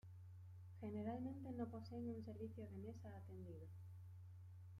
Generalmente no poseen un servicio de mesa atendido.